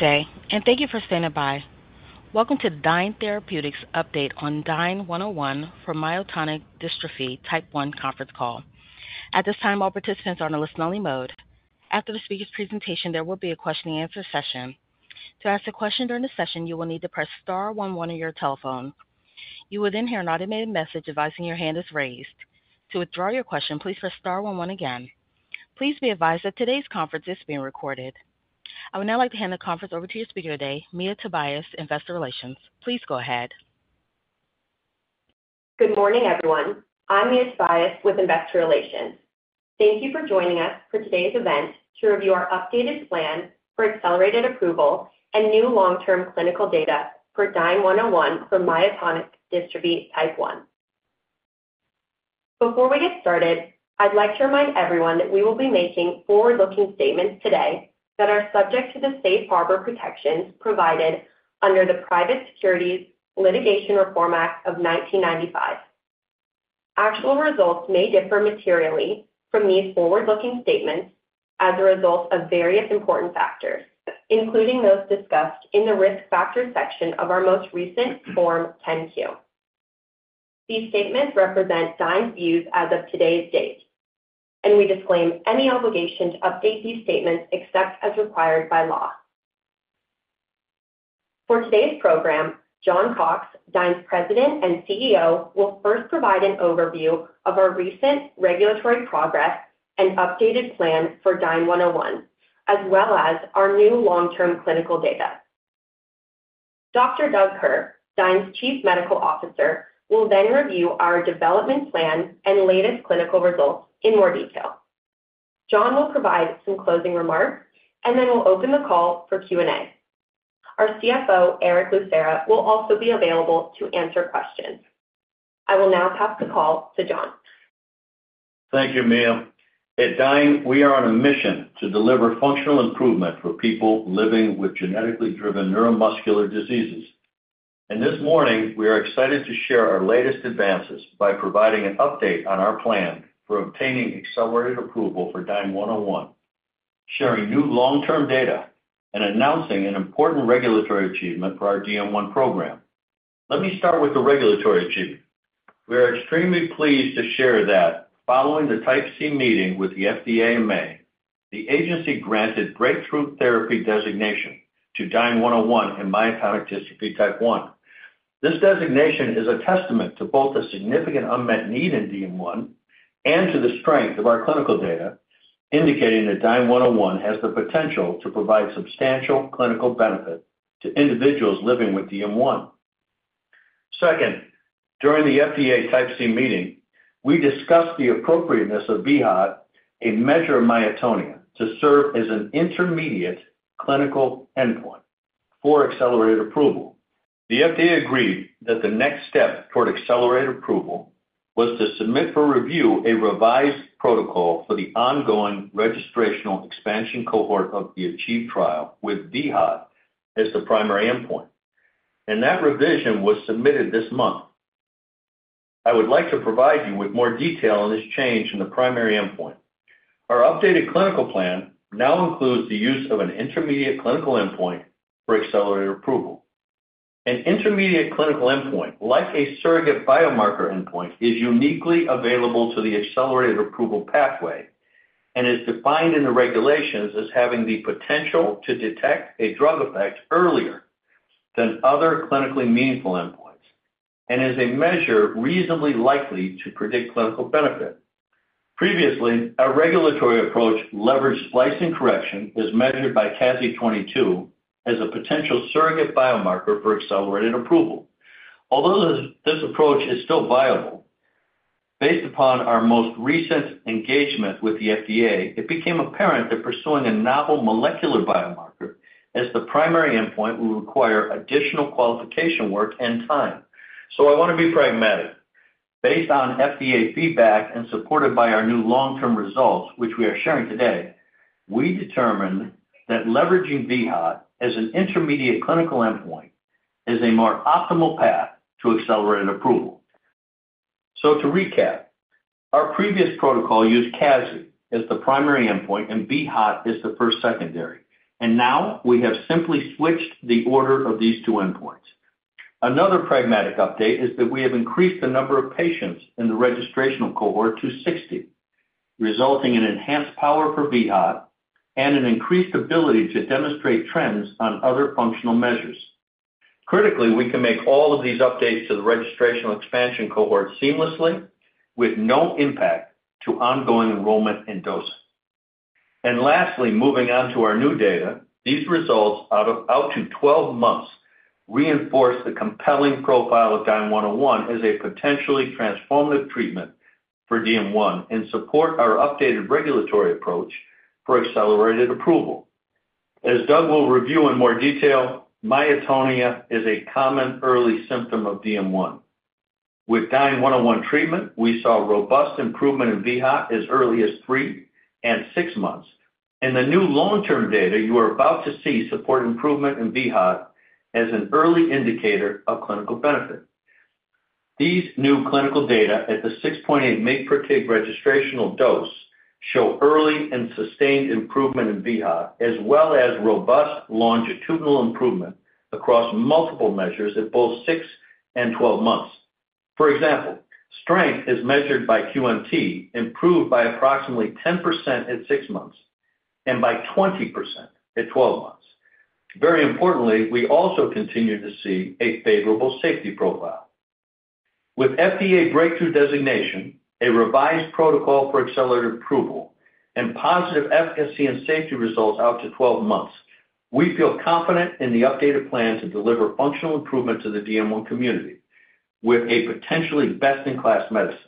Good day and thank you for standing by. Welcome to Dyne Therapeutics Update on DYNE-101 for myotonic dystrophy type 1 conference call. At this time all participants are in listen only mode. After the speaker's presentation, there will be a question and answer session. To ask a question during the session, you will need to press star one one on your telephone. You will then hear an automated message advising your hand is raised. To withdraw your question, please press star one again. Please be advised that today's conference is being recorded. I would now like to hand the conference over to your speaker today, Mia Tobias, Investor Relations. Please go ahead. Good morning everyone. I'm Mia Tobias with Investor Relations. Thank you for joining us for today's event to review our updated plan for accelerated approval and new long term clinical data for DYNE-101 for myotonic dystrophy type 1. Before we get started, I'd like to remind everyone that we will be making forward looking statements today that are subject to the safe harbor protections provided under the Private Securities Litigation Reform Act of 1995. Actual results may differ materially from these forward looking statements as a result of various important factors, including those discussed in the risk factors section of our most recent Form 10-Q. These statements represent Dyne's views as of today's date and we disclaim any obligation to update these statements except as required by law for today's program. John Cox, Dyne's President and CEO, will first provide an overview of our recent regulatory progress and updated plan for DYNE-101 as well as our new long term clinical data. Dr. Doug Kerr, Dyne's Chief Medical Officer, will then review our development plan and latest clinical results in more detail. John will provide some closing remarks and then we'll open the call for Q&A. Our CFO, Eric Lucera, will also be available to answer questions. I will now pass the call to John. Thank you, Mia. At Dyne, we are on a mission to deliver functional improvement for people living with genetically driven neuromuscular diseases. This morning we are excited to share our latest advances by providing an update on our plan for obtaining accelerated approval for DYNE-101, sharing new long term data, and announcing an important regulatory achievement for our DM1 program. Let me start with the regulatory achievement. We are extremely pleased to share that following the Type C meeting with the FDA in May, the Agency granted Breakthrough Therapy Designation to DYNE-101 in myotonic dystrophy type 1. This designation is a testament to both the significant unmet need in DM1 and to the strength of our clinical data indicating that DYNE-101 has the potential to provide substantial clinical benefit to individuals living with DM1. Second, during the FDA Type C meeting we discussed the appropriateness of vHOT, a measure of myotonia, to serve as an intermediate clinical endpoint for accelerated approval. The FDA agreed that the next step toward accelerated approval was to submit for review a revised protocol for the ongoing registrational expansion cohort of the ACHIEVE trial with vHOT as the primary endpoint, and that revision was submitted this month. I would like to provide you with more detail on this change in the primary endpoint. Our updated clinical plan now includes the use of an intermediate clinical endpoint for accelerated approval. An intermediate clinical endpoint, like a surrogate biomarker endpoint, is uniquely available to the accelerated approval pathway and is defined in the regulations as having the potential to detect a drug effect earlier than other clinically meaningful endpoints and is a measure reasonably likely to predict clinical benefit. Previously, our regulatory approach leveraged splicing correction as measured by CASI-22 as a potential surrogate biomarker for accelerated approval. Although this approach is still viable, based upon our most recent engagement with the FDA, it became apparent that pursuing a novel molecular biomarker as the primary endpoint will require additional qualification work and time. I want to be pragmatic. Based on FDA feedback and supported by our new long term results which we are sharing today, we determined that leveraging vHOT as an intermediate clinical endpoint is a more optimal path to accelerated approval. To recap, our previous protocol used CASI as the primary endpoint and vHOT as the first secondary and now we have simply switched the order of these two endpoints. Another pragmatic update is that we have increased the number of patients in the registration cohort to 60, resulting in enhanced. Power for vHOT and an increased ability. To demonstrate trends on other functional measures. Critically, we can make all of these updates to the registration expansion cohort seamlessly with no impact to ongoing enrollment and dosing. Lastly, moving on to our new data, these results out to 12 months reinforce the compelling profile of DYNE-101 as a potentially transformative treatment for DM1 and support our updated regulatory approach for accelerated approval. As Doug will review in more detail, myotonia is a common early symptom of DM1. With DYNE-101 treatment, we saw robust improvement in vHOT as early as three and six months. The new long term data you are about to see support improvement in vHOT as an early indicator of clinical benefit. These new clinical data at the 6.8 mg/kg registrational dose show early and sustained improvement in vHOT as well as robust longitudinal improvement across multiple measures at both 6 and 12 months. For example, strength as measured by QMT improved by approximately 10% at 6 months and by 20% at 12 months. Very importantly, we also continue to see a favorable safety profile with FDA Breakthrough Therapy Designation, a revised protocol for accelerated approval and positive efficacy and safety results out to 12 months. We feel confident in the updated plan to deliver functional improvement to the DM1 community with a potentially best in class medicine.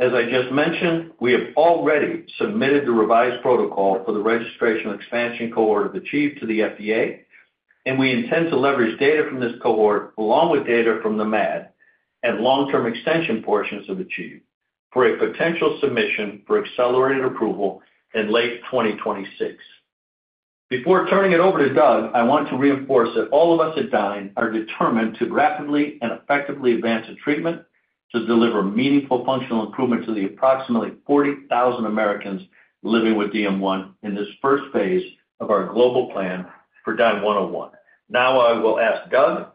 As I just mentioned, we have already submitted the revised protocol for the Registration Expansion Cohort of ACHIEVE to the FDA and we intend to leverage data from this cohort along with data from the MAD and long term extension portions of ACHIEVE for a potential submission for accelerated approval in late 2026. Before turning it over to Doug, I want to reinforce that all of us at Dyne are determined to rapidly and effectively advance in treatment to deliver meaningful functional improvement to the approximately 40,000 Americans living with DM1 in this first phase of our global plan for DYNE-101. Now I will ask Doug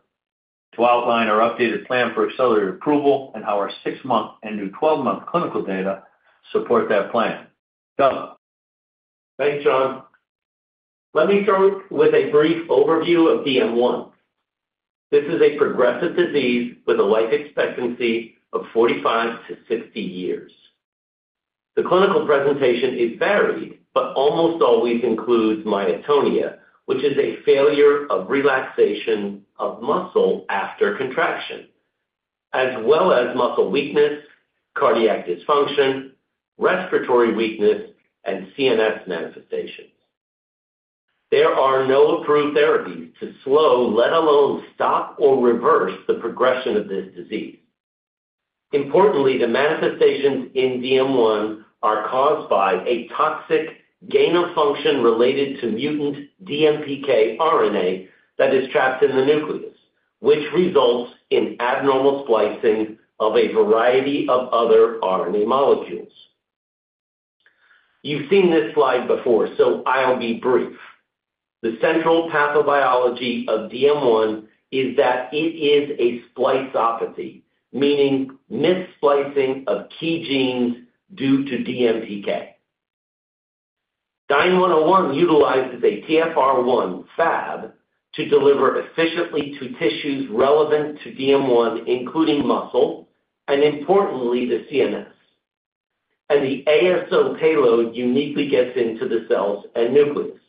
to outline our updated plan for accelerated approval and how our 6 month and new 12 month clinical data support that plan. Doug, thanks John. Let me start with a brief overview of DM1. This is a progressive disease with a life expectancy of 45-60 years. The clinical presentation is varied but almost always includes myotonia, which is a failure of relaxation of muscle after contraction, as well as muscle weakness, cardiac dysfunction, respiratory weakness, and CNS manifestation. There are no approved therapies to slow, let alone stop or reverse, the progression of this disease. Importantly, the manifestations in DM1 are caused by a toxic gain of function related to mutant DMPK RNA that is trapped in the nucleus, which results in abnormal splicing of a variety of other RNA molecules. You've seen this slide before, so I'll be brief. The central pathobiology of DM1 is that it is a spliceopathy, meaning misplicing of key genes due to DMPK. DYNE-101 utilizes a TfR1 Fab to deliver efficiently to tissues relevant to DM1, including muscle and importantly the CNS, and the ASO payload uniquely gets into the cells and nucleus.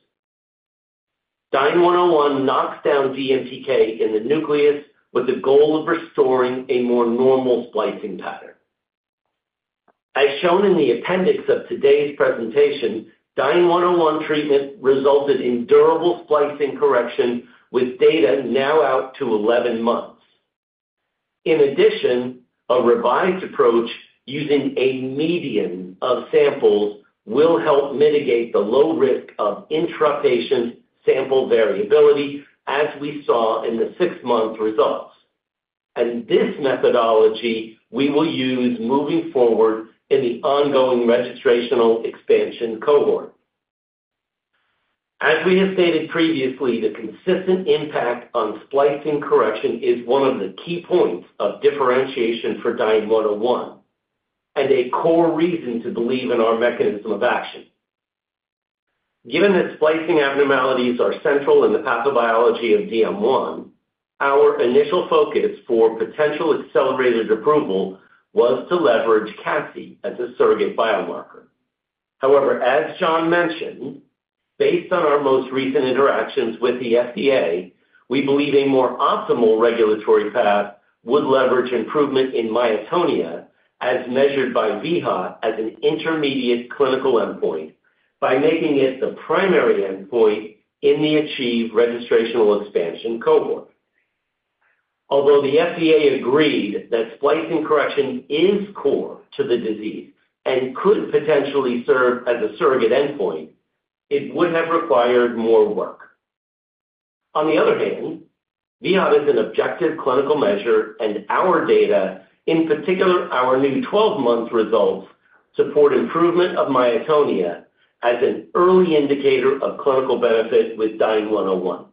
DYNE-101 knocks down DMPK in the nucleus with the goal of restoring a more normal splicing pattern. As shown in the appendix of today's presentation, DYNE-101 treatment resulted in durable splicing correction with data now out to 11 months. In addition, a revised approach using a median of samples will help mitigate the low risk of intra-patient sample variability as we saw in the six-month results, and this methodology we will use moving forward in the ongoing registrational expansion cohort. As we have stated previously, the consistent impact on splicing correction is one of the key points of differentiation for DYNE-101 and a core reason to believe in our mechanism of action. Given that splicing abnormalities are central in the pathobiology of DM1, our initial focus for potential accelerated approval was to leverage. CASI as a surrogate biomarker. However, as John mentioned, based on our most recent interactions with the FDA, we believe a more optimal regulatory path would leverage improvement in myotonia as measured by vHOT as an intermediate clinical endpoint by making it the primary endpoint in the ACHIEVE Registrational Expansion Cohort. Although the FDA agreed that splicing correction is core to the disease and could potentially serve as a surrogate endpoint, it would have required more work. On the other hand, vHOT is an objective clinical measure and our data, in particular our new 12 month results, support improvement of myotonia as an early indicator of clinical benefit with DYNE-101.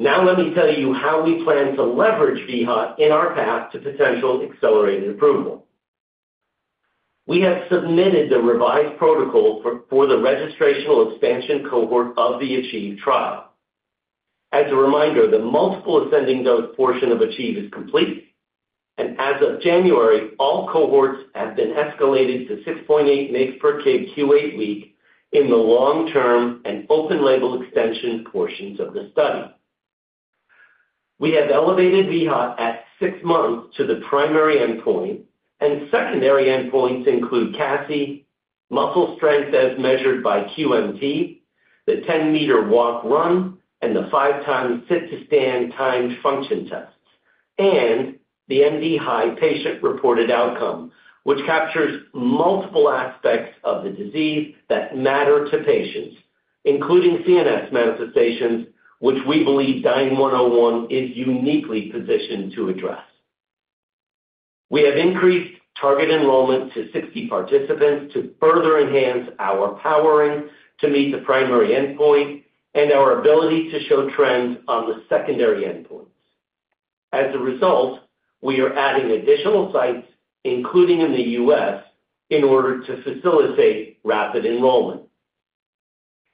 Now let me tell you how we plan to leverage vHOT in our path to potential accelerated approval. We have submitted the revised protocol for the registrational expansion cohort of the ACHIEVE trial. As a reminder, the multiple ascending dose portion of ACHIEVE is complete and as of January all cohorts have been escalated to 6.8 mg/kg Q8 week. In the long term and open label extension portions of the study, we have elevated vHOT at six months to the primary endpoint and secondary endpoints include CASI, muscle strength as measured by QMT, the 10 meter walk run and the five time sit to stand timed function tests, and the MDHI patient reported outcome which captures multiple aspects of the disease that matter to patients, including CNS manifestations which we believe DYNE-101 is uniquely positioned to address. We have increased target enrollment to 60 participants to further enhance our powering to meet the primary endpoint and our ability to show trends on the secondary endpoints. As a result, we are adding additional sites including in the U.S. in order to facilitate rapid enrollment.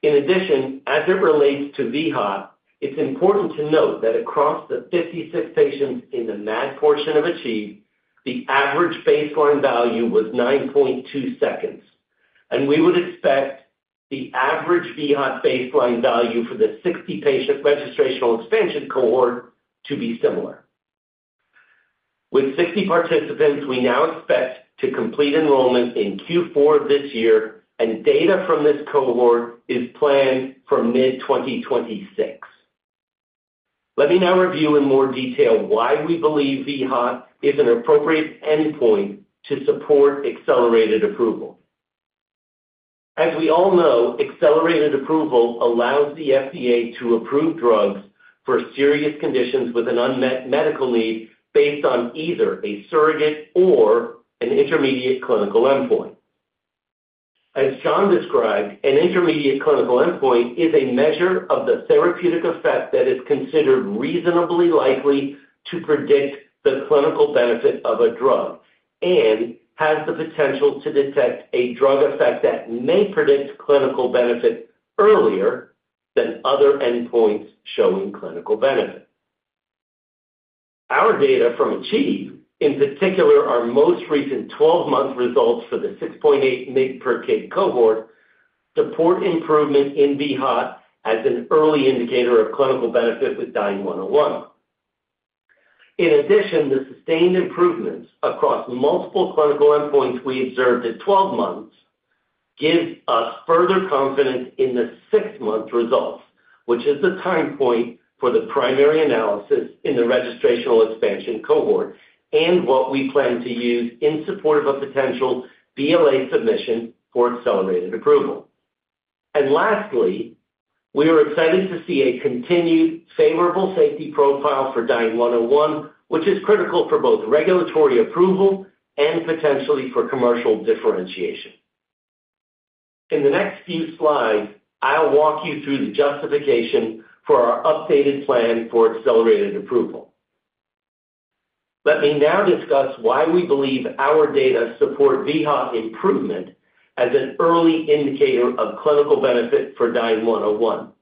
In addition, as it relates to vHOT, it's important to note that across the 56 patients in the MAD portion of ACHIEVE the average baseline value was 9.2 seconds and we would expect the average vHOT baseline value for the 60 patient registrational expansion cohort to be similar with 60 participants. We now expect to complete enrollment in Q4 this year and data from this cohort is planned for mid-2026. Let me now review in more detail why we believe vHOT is an appropriate endpoint to support accelerated approval. As we all know, accelerated approval allows the FDA to approve drugs for serious conditions with an unmet medical need based on either a surrogate or an intermediate clinical endpoint. As John described, an intermediate clinical endpoint is a measure of the therapeutic effect that is considered reason likely to predict the clinical benefit of a drug and has the potential to detect a drug effect that may predict clinical benefit earlier than other endpoints showing clinical benefit. Our data from ACHIEVE, in particular our most recent 12 month results for the 6.8 mg/kg cohort, support improvement in vHOT as an early indicator of clinical benefit with DYNE-101. In addition, the sustained improvements across multiple clinical endpoints we observed at 12 months give us further confidence in the six month results, which is the time point for the primary analysis in the registrational expansion cohort and what we plan to use in support of a potential BLA. Submission for accelerated approval. Lastly, we are excited to see a continued favorable safety profile for DYNE-101 which is critical for both regulatory approval and potentially for commercial differentiation. In the next few slides I'll walk you through the justification for our updated. Plan for accelerated approval. Let me now discuss why we believe our data support vHOT improvement as an early indicator of clinical benefit for DYNE-101.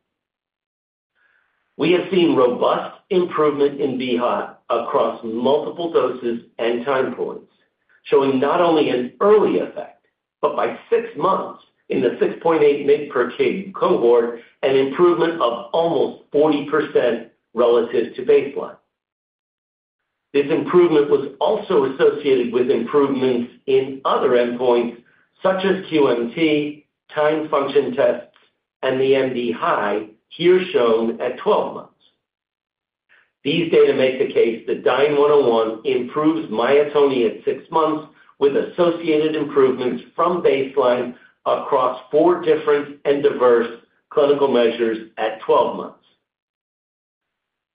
We have seen robust improvement in vHOT across multiple doses and time points, showing not only an early effect but by six months in the 6.8 mg/kg cohort, an improvement of almost 40% relative to baseline. This improvement was also associated with improvements in other endpoints such as QMT, timed function tests, and the MDHI here shown at 12 months. These data make the case that DYNE-101 improves myotonia at six months with associated improvements from baseline across four different and diverse clinical measures at 12 months.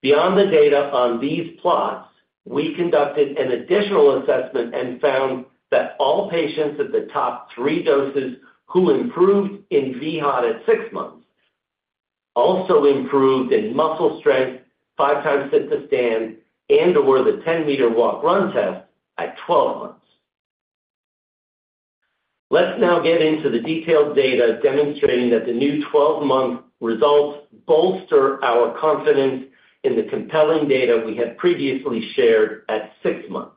Beyond the data on these plots, we conducted an additional assessment and found that all patients at the top three doses who improved in vHOT at six months also improved in muscle strength five times sit to stand and or the 10 meter walk run test at 12 months. Let's now get into the detailed data demonstrating that the new 12 month results bolster our confidence in the compelling data we had previously shared at 6 months.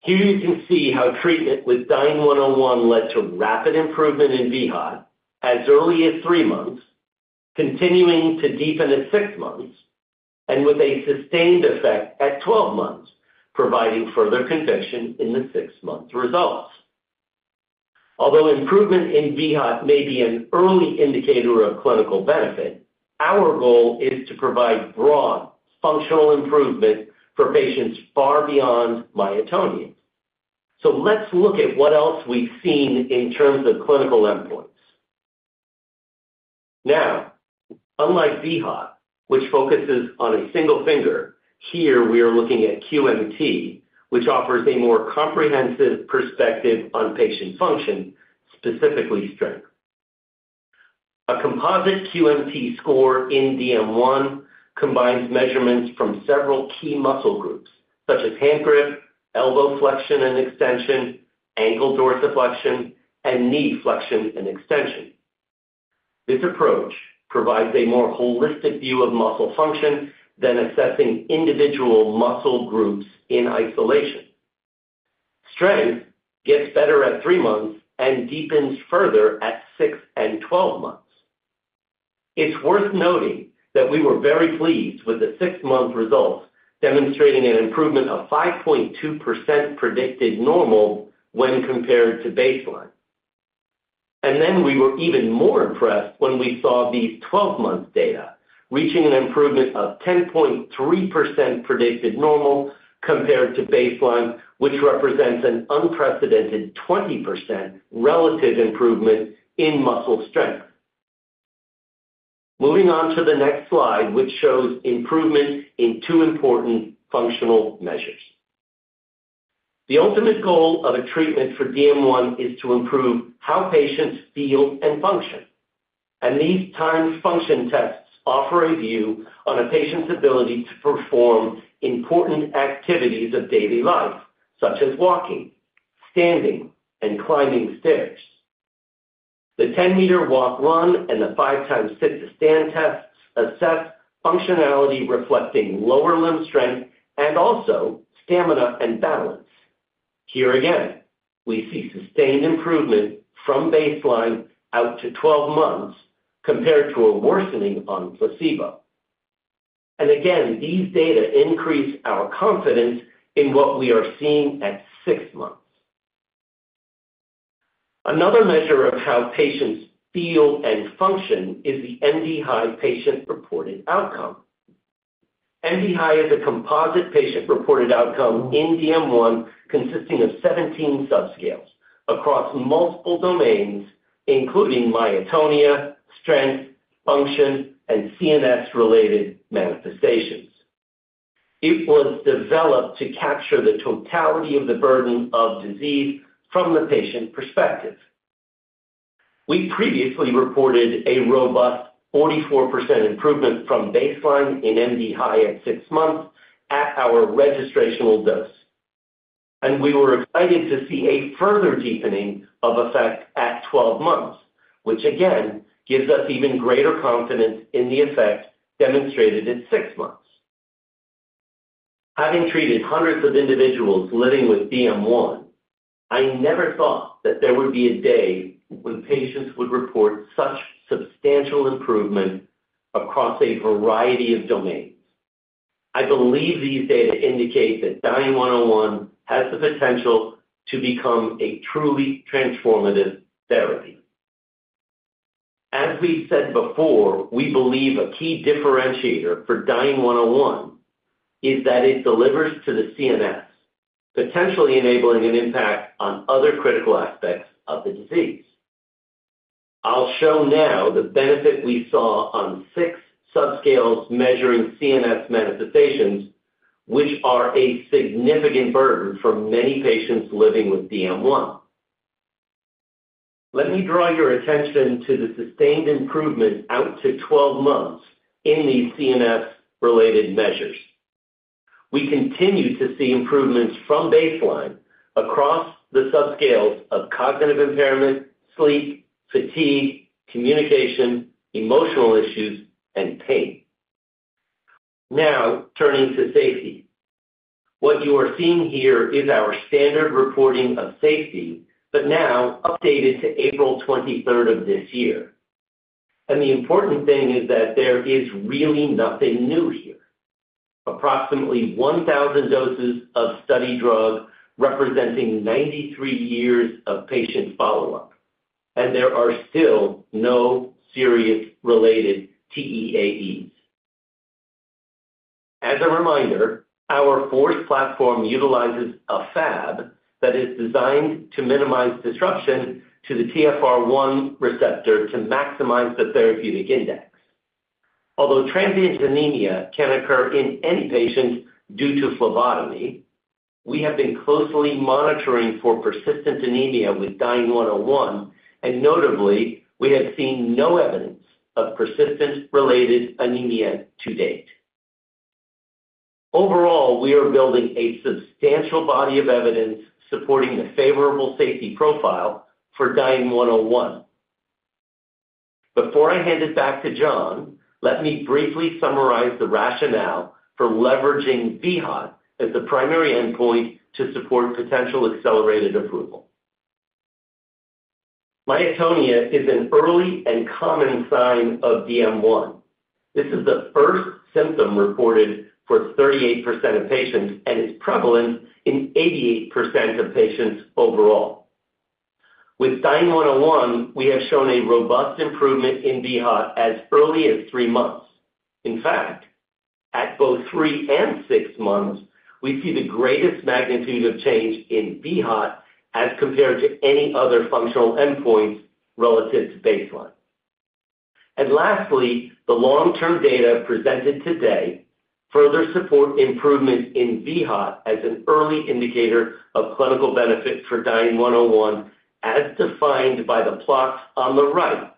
Here you can see how treatment with DYNE-101 led to rapid improvement in vHOT as early as 3 months, continuing to deepen at 6 months and with a sustained effect at 12 months, providing further conviction in the 6 month results. Although improvement in vHOT may be an early indicator of clinical benefit, our goal is to provide broad functional improvement for patients far beyond myotonia. Let's look at what else we've seen in terms of clinical endpoints. Now, unlike vHOT which focuses on a single finger, here we are looking at QMT which offers a more comprehensive perspective on patient function, specifically strength. A composite QMT score in DM1 combines measurements from several key muscle groups such as hand grip, elbow flexion and extension, ankle dorsiflexion, and knee flexion and extension. This approach provides a more holistic view of muscle function than assessing individual muscle groups in isolation. Strength gets better at three months and deepens further at six and 12 months. It's worth noting that we were very pleased with the six month results demonstrating an improvement of 5.2% predicted normal when compared to baseline. We were even more impressed when we saw these 12 month data reaching an improvement of 10.3% predicted normal compared to baseline, which represents an unprecedented 20% relative improvement in muscle strength. Moving on to the next slide which shows improvement in two important functional measures. The ultimate goal of a treatment for DM1 is to improve how patients feel and function and these time function tests offer a view on a patient's ability to perform important activities of daily life such as walking, standing and climbing stairs. The 10 meter walk run and the five times sit to stand tests assess functionality reflecting lower limb strength and also stamina and balance. Here again we see sustained improvement from baseline out to 12 months compared to a worsening on placebo and again these data increase our confidence in what we are seeing at six months. Another measure of how patients feel and function is the MDHI patient reported outcome. MDHI is a composite patient reported outcome in DM1 consisting of 17 subscales across multiple domains including myotonia, strength, function and CNS related manifestations. It was developed to capture the totality of the burden of disease from the patient perspective. We previously reported a robust 44% improvement from baseline in MDHI at six months at our registrational dose and we were excited to see a further deepening of effect at 12 months which again gives us even greater confidence in the effect and demonstrated at six months. Having treated hundreds of individuals living with DM1, I never thought that there would be a day when patients would report such substantial improvement across a variety of domains. I believe these data indicate that DYNE-101 has the potential to become a truly transformative therapy. As we said before, we believe a key differentiator for DYNE-101 is that it delivers to the CNS, potentially enabling an impact on other critical aspects of the disease. I'll show now the benefit we saw on six subscales measuring CNS manifestations which are a significant burden for many patients living with DM1. Let me draw your attention to the sustained improvement out to 12 months in these CNS related measures. We continue to see improvements from baseline across the subscales of cognitive impairment, sleep, fatigue, communication, emotional issues, and pain. Now turning to safety. What you are seeing here is our standard reporting of safety but now updated to April 23rd of this year and the important thing is that there is really nothing new here. Approximately 1,000 doses of study drug representing 93 years of patient follow up and there are still no serious related TEAEs. As a reminder, our FORCE platform utilizes a Fab that is designed to minimize disruption to the TfR1 receptor to maximize the therapeutic index. Although transient anemia can occur in any patient due to phlebotomy, we have been closely monitoring for persistent anemia with DYNE-101 and notably we have seen no evidence of persistent related anemia to date. Overall, we are building a substantial body of evidence supporting a favorable safety profile for DYNE-101. Before I hand it back to John, let me briefly summarize the rationale for leveraging vHOT as the primary endpoint too. Support potential accelerated approval. Myotonia is an early and common sign of DM1. This is the first symptom reported for 38% of patients and is prevalent in 88% of patients. Overall with DYNE-101 we have shown a robust improvement in vHOT as early as three months. In fact, at both three and six months we see the greatest magnitude of change in vHOT as compared to any other functional endpoints relative to baseline. Lastly, the long term data presented today further support improvements in vHOT as an early indicator of clinical benefit for DYNE-101 as defined by the plots on the right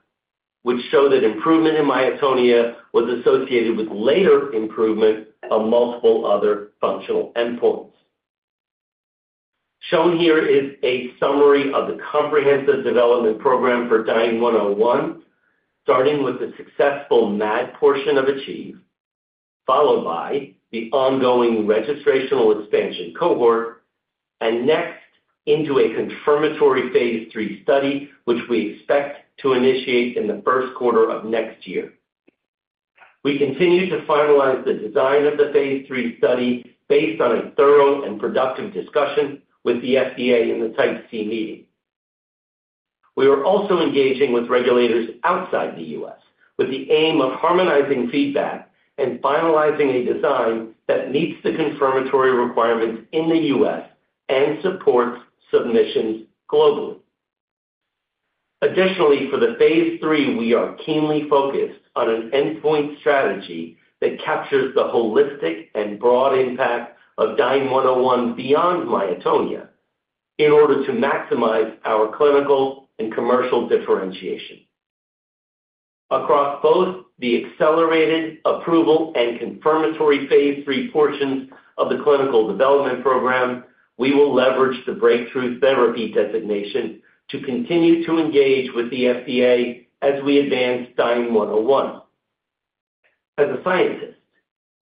which show that improvement in myotonia was associated with later improvement of multiple other functional endpoints. Shown here is a summary of the comprehensive development program for DYNE-101 starting with the successful MAD portion of ACHIEVE followed by the ongoing registrational expansion cohort and next into a confirmatory phase III study which we expect to initiate in the first quarter of next year. We continue to finalize the design of the phase III study based on a thorough and productive discussion with the FDA in the Type C meeting. We are also engaging with regulators outside the U.S. with the aim of harmonizing feedback and finalizing a design that meets the confirmatory requirements in the U.S. and supports submissions globally. Additionally, for the phase III, we are keenly focused on an endpoint strategy that captures the holistic and broad impact of DYNE-101 beyond myotonia. In order to maximize our clinical and commercial differentiation across both the accelerated approval and confirmatory phase III portions of the clinical development program, we will leverage the Breakthrough Therapy designation to continue to engage with the FDA as we advance DYNE-101. As a scientist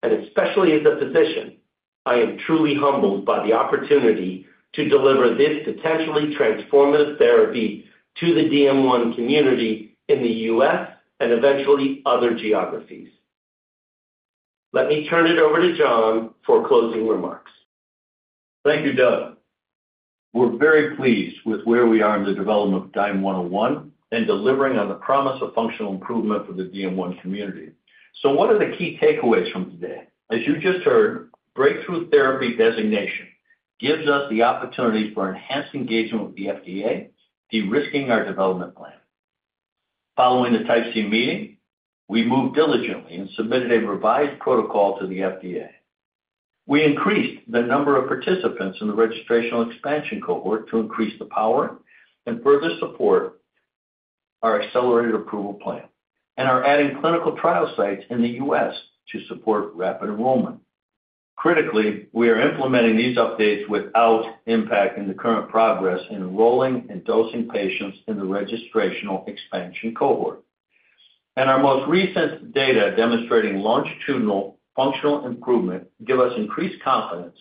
and especially as a physician, I am truly humbled by the opportunity to deliver this potentially transformative therapy to the DM1 community in the U.S. and eventually other geographies. Let me turn it over to John for closing remarks. Thank you, Doug. We're very pleased with where we are in the development of DYNE-101 and delivering on the promise of functional improvement for the DM1 community. What are the key takeaways from today? As you just heard, Breakthrough Therapy designation gives us the opportunity for enhanced engagement with the FDA, de-risking our development plan. Following the Type C meeting, we moved diligently and submitted a revised protocol to the FDA. We increased the number of participants in the registrational expansion cohort to increase the power and further support our accelerated approval plan and are adding clinical trial sites in the U.S. to support rapid enrollment. Critically, we are implementing these updates without impacting the current progress in enrolling and dosing patients in the Registrational Expansion Cohort. Our most recent data demonstrating longitudinal functional improvement give us increased confidence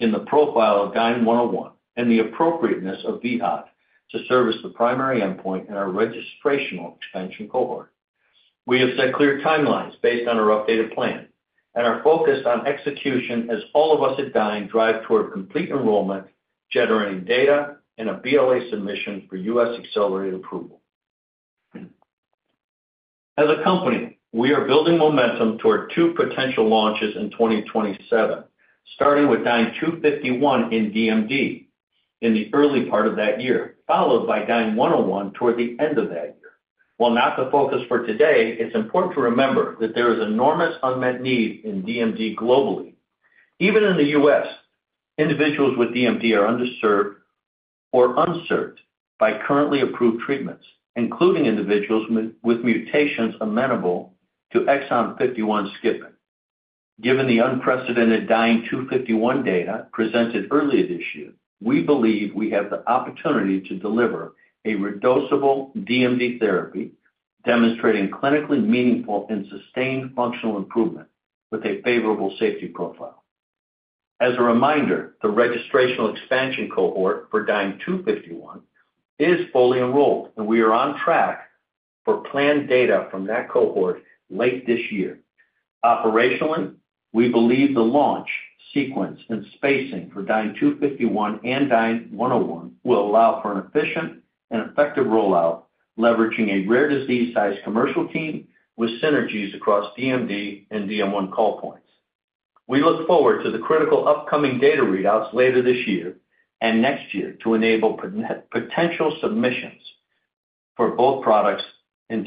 in the profile of DYNE-101 and the appropriateness of vHOT to serve as the primary endpoint in our registrational expansion cohort. We have set clear timelines based on our updated plan and are focused on execution as all of us at Dyne drive toward complete enrollment, generating data and a BLA submission for U.S. accelerated approval. As a company, we are building momentum toward two potential launches in 2027, starting with DYNE-251 in DMD in the early part of that year, followed by DYNE-101 toward the end of that year. While not the focus for today, it's important to remember that there is enormous unmet need in DMD globally. Even in the U.S., individuals with DMD are underserved or unserved by currently approved treatments, including individuals with mutations amenable to exon 51. Skip it. Given the unprecedented DYNE-251 data presented earlier this year, we believe we have the opportunity to deliver a reducible DMD therapy demonstrating clinically meaningful and sustained functional improvement with a favorable safety profile. As a reminder, the registrational expansion cohort for DYNE-251 is fully enrolled and we are on track for planned data from that cohort late this year. Operationally, we believe the launch sequence and spacing for DYNE-251 and DYNE-101 will allow for an efficient and effective rollout, leveraging a rare disease sized commercial team with synergies across DMD and DM1 call points. We look forward to the critical upcoming data readouts later this year and next year to enable potential submissions for both products in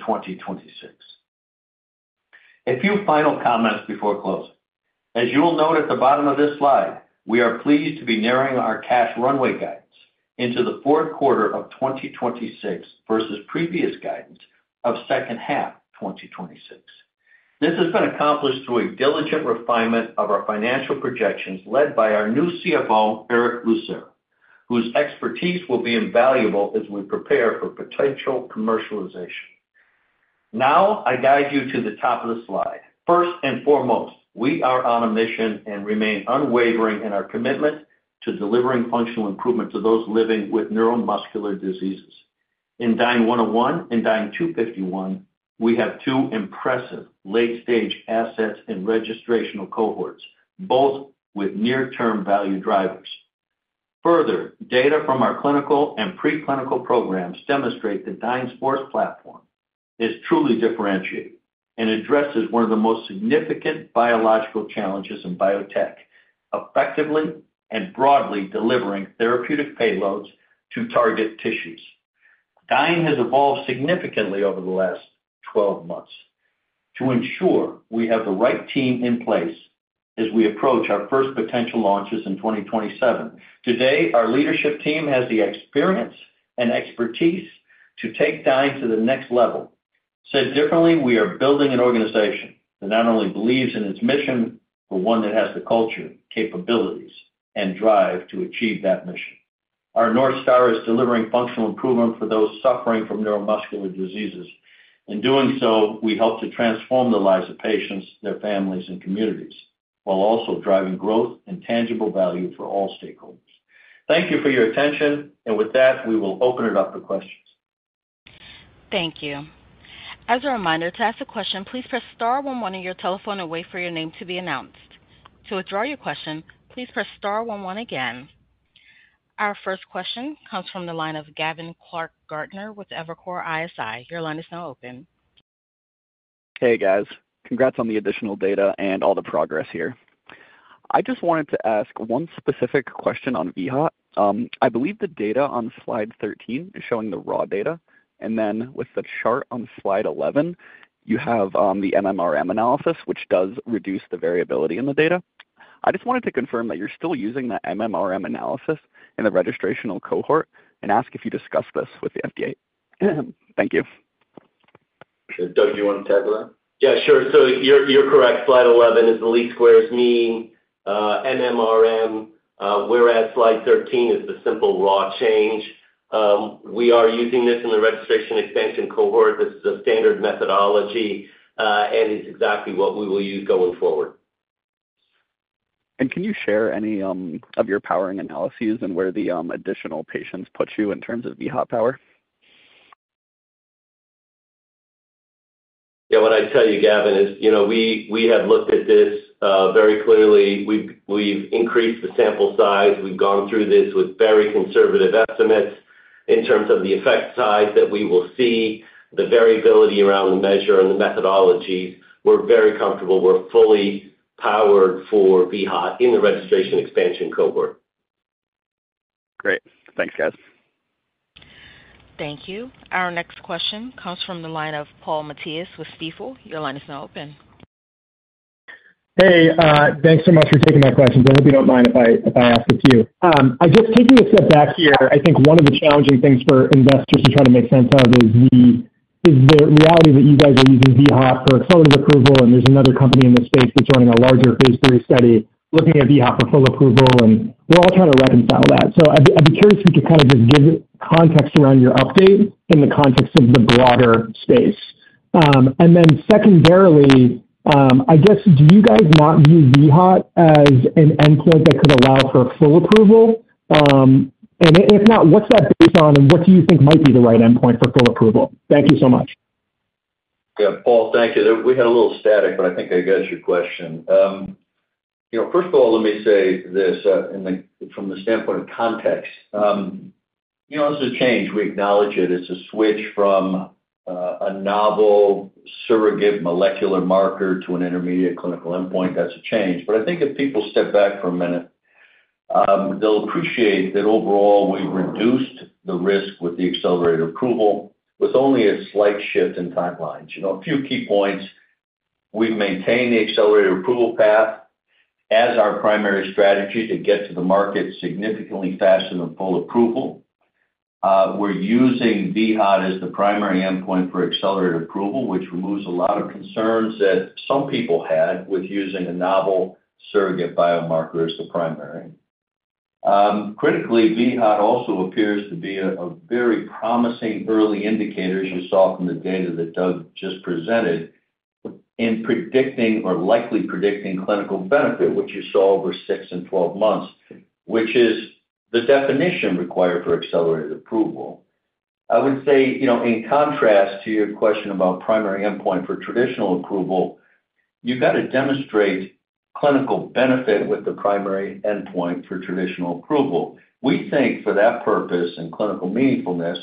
2026. A few final comments before closing. As you will note at the bottom of this slide, we are pleased to be narrowing our cash runway guidance into the fourth quarter of 2026 versus previous guidance of second half 2026. This has been accomplished through a diligent refinement of our financial projections led by our new CFO Erick Lucera, whose expertise will be invaluable as we prepare for potential commercialization. Now I guide you to the top of the slide. First and foremost, we are on a mission and remain unwavering in our commitment to delivering functional improvement to those living with neuromuscular diseases. In DYNE-101 and DYNE-251 we have two impressive late stage assets and registrational cohorts, both with near term value drivers. Further data from our clinical and preclinical programs demonstrate that Dyne's platform is truly differentiated and addresses one of the most significant biological challenges in biotech, effectively and broadly delivering therapeutic payloads to target tissues. Dyne has evolved significantly over the last 12 months to ensure we have the right team in place as we approach our first potential launches in 2027. Today our leadership team has the experience and expertise to take Dyne to the next level. Said differently, we are building an organization that not only believes in its mission, but one that has the culture, capabilities and drive to achieve that mission. Our North Star is delivering functional improvement for those suffering from neuromuscular diseases and in doing so we hope to transform the lives of patients, their families and communities, while also driving growth and tangible value for all stakeholders. Thank you for your attention. With that, we will open it up for questions. Thank you. As a reminder, to ask a question, please press star one one on your telephone and wait for your name to be announced. To withdraw your question, please press star one one again. Our first question comes from the line of Gavin Clark-Gartner with Evercore ISI. Your line is now open. Hey, guys, congrats on the additional data and all the progress here. I just wanted to ask one specific question on vHOT. I believe the data on slide 13 is showing the raw data. And then with the chart on slide 11, you have the MMRM analysis which does reduce the variability in the data. I just wanted to confirm that you're still using that MMRM analysis in the registrational cohort and ask if you discuss this with the FDA. Thank you. Doug, do you want to tackle that? Yeah, sure. So you're correct. Slide 11 is the least squares mean MMRM, whereas slide 13 is the simple raw change. We are using this in the Registration Expansion Cohort. This is a standard methodology and it's exactly what we will use going forward. Can you share any of your powering analyses and where the additional patients put you in terms of vHOT power? Yeah. What I'd tell you, Gavin, is we have looked at this very clearly. We've increased the sample size, we've gone through this with very conservative estimates in terms of the effect size that we will see, the variability around the measure and the methodologies. We're very comfortable. We're fully powered for vHOT in the Registration Expansion Cohort. Great. Thanks, guys. Thank you. Our next question comes from the line of Paul Matteis with Stifel. Your line is now open. Hey, thanks so much for taking my questions. I hope you don't mind if I ask a few. I guess taking a step back here, I think one of the challenging things for investors to try to make sense of is the reality that you guys are using vHOT for accelerated approval. There is another company in the space that's running a larger phase III study looking at vHOT for full approval, and we're all trying to reconcile that. I would be curious if you could kind of just give context around your update in the context of the broader space. Secondarily, I guess, do you guys not view vHOT as an endpoint that could allow for full approval? If not, what's that based on? What do you think might be the right endpoint for full approval? Thank you so much. Yeah, Paul, thank you. We had a little static, but I think I got your question. First of all, let me say this. From the standpoint of context, it's a change. We acknowledge it. It's a switch from a novel surrogate molecular marker to an intermediate clinical endpoint. That's a change. I think if people step back for a minute, they'll appreciate that. Overall we reduced the risk with the accelerated approval. With only a slight shift in timelines, a few key points, we've maintained the accelerated approval path as our primary strategy to get to the market significantly faster than full approval. We're using vHOT as the primary endpoint for accelerated approval, which removes a lot of concerns that some people had with using a novel surrogate biomarker as the primary. Critically, vHOT also appears to be a very promising early indicator, as you saw from the data that Doug just presented in predicting or likely predicting clinical benefit, which you saw over six and 12 months, which is the definition required for accelerated approval. I would say, you know, in contrast to your question about primary endpoint for traditional approval, you've got to demonstrate clinical benefit with the primary endpoint for traditional approval. We think for that purpose and clinical meaningfulness,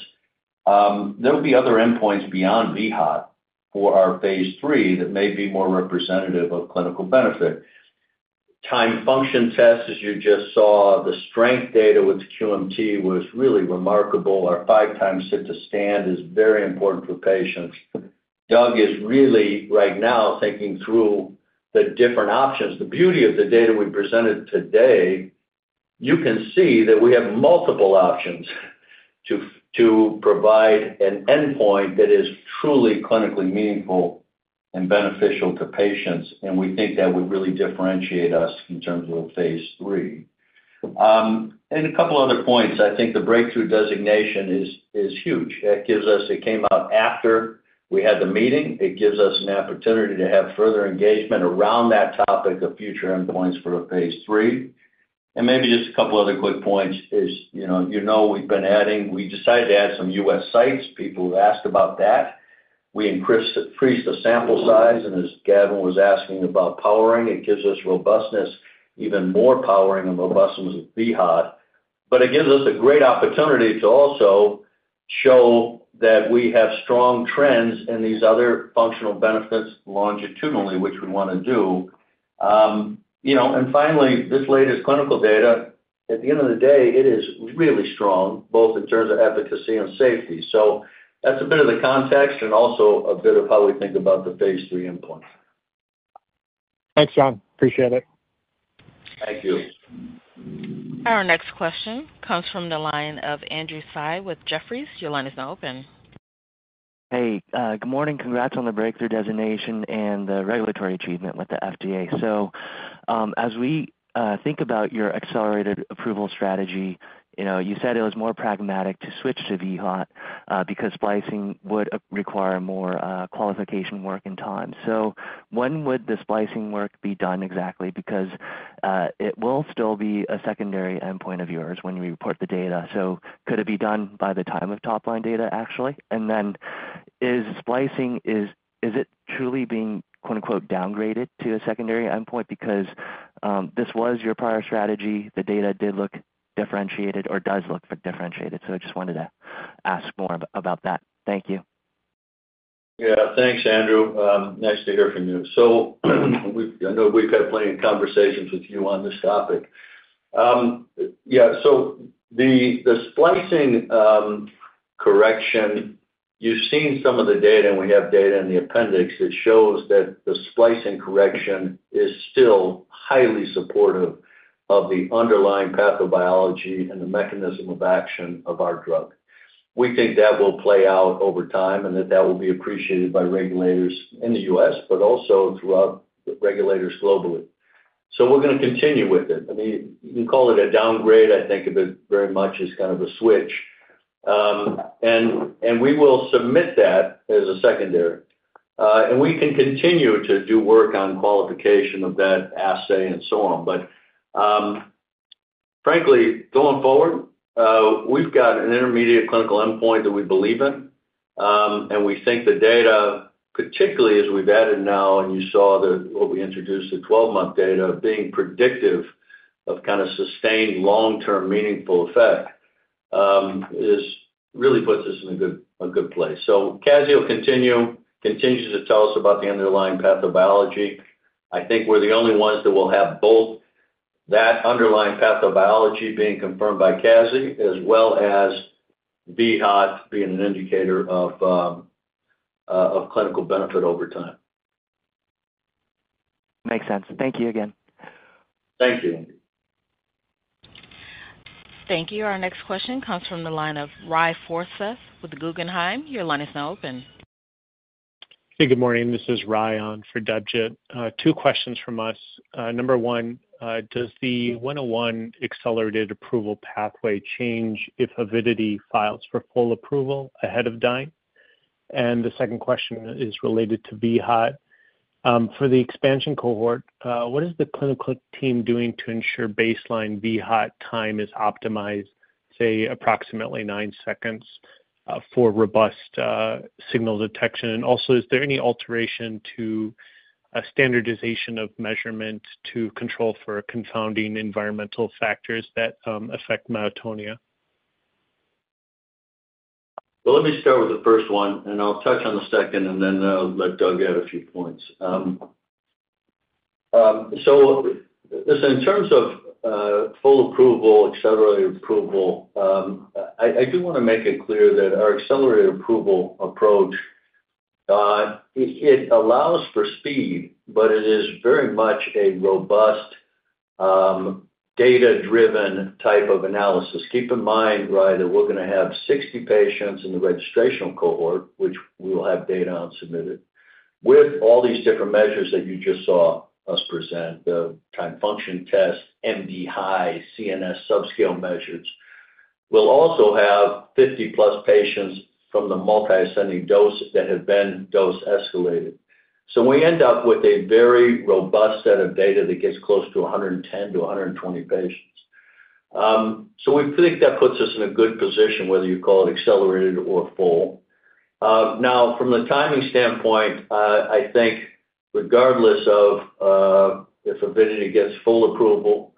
there will be other endpoints beyond vHOT for our phase III that may be more representative of clinical benefit. Time function test as you just saw, the strength data with QMT was really remarkable. Our five time sit to stand is very important for patients. Doug is really right now thinking through the different options. The beauty of the data we presented today, you can see that we have multiple options to provide an endpoint that is truly clinically meaningful and beneficial to patients. We think that would really differentiate us. In terms of phase III and a couple other points, I think the breakthrough designation is huge. That gives us. It came out after we had the meeting. It gives us an opportunity to have further engagement around that topic of future endpoints for a phase III and maybe just a couple other quick points. As you know, we've been adding. We decided to add some U.S. sites. People asked about that, we increased the sample size and as Gavin was asking about powering, it gives us robustness, even more powering and robustness vHOT. It gives us a great opportunity to also show that we have strong trends in these other functional benefits longitudinally, which we want to do. Finally, this latest clinical data, at the end of the day, is really strong both in terms of efficacy and safety. That's a bit of the context and also a bit of how we think about the phase III implants. Thanks, John. Appreciate it. Thank you. Our next question comes from the line of Andrew Tsai with Jefferies. Your line is now open. Hey, good morning. Congrats on the breakthrough designation and the. Regulatory achievement with the FDA. As we think about your accelerated approval strategy, you said it was more. Pragmatic to switch to vHOT because splicing would require more qualification work and time. When would the splicing work be done? Exactly, because it will still be a. Secondary endpoint of yours when you report the data. Could it be done by the time of top line data actually? And then is splicing, is it truly being quote unquote downgraded to a secondary endpoint? Because this was your prior strategy, the. Data did look differentiated or does look differentiated. I just wanted to ask more about that. Thank you. Yeah, thanks, Andrew. Nice to hear from you. I know we've had plenty of conversations with you on this topic. Yeah. The splicing correction, you've seen some of the data and we have data in the appendix that shows that the splicing correction is still highly supportive of the underlying pathobiology and the mechanism of action of our drug. We think that will play out over time and that that will be appreciated by regulators in the U.S. but also throughout regulators globally. We're going to continue with it. I mean, you can call it a downgrade. I think of it very much as kind of a switch and we will submit that as a secondary and we can continue to do work on qualification of that assay and so on. But frankly, going forward we've got an intermediate clinical endpoint that we believe in and we think the data, particularly as we've added now, and you saw what we introduced, the 12 month data being predictive of kind of sustained long term meaningful effect, really puts us in a good, a good place. So CASI continues to tell us about the underlying pathobiology. I think we're the only ones that will have both that underlying pathobiology being confirmed by CASI as well as vHOT being an indicator of clinical benefit over time. Makes sense. Thank you again. Thank you. Thank you. Our next question comes from the line of Ry Forseth with Guggenheim. Your line is now open. Good morning. This is Ry on for Debjit. Two questions from us. Number one, does the 101 accelerated approval pathway change if Avidity files for full approval ahead of Dyne? And the second question is related to. vHOT for the expansion cohort, what is the clinical team doing to ensure baseline? What time is optimized? Say approximately 9 seconds for robust signal detection. Also, is there any alteration to a standardization of measurement to control for confounding environmental factors that affect myotonia? Let me start with the first one and I'll touch on the second and then let Doug add a few points. In terms of full approval, accelerated approval, I do want to make it clear that our accelerated approval approach. It. Allows for speed, but it is very much a robust, data-driven type of analysis. Keep in mind that we're going to have 60 patients in the Registration Cohort, which we will have data on, submitted with all these different measures that you just saw us present. The time function test, MDHI, CNS subscale measures. We'll also have 50-plus patients from the multiple ascending dose that have been dose escalated. So we end up with a very robust set of data that gets close to 110-120 patients. We think that puts us in a good position whether you call it accelerated or full. Now, from the timing standpoint, I think regardless of if Avidity gets full approval,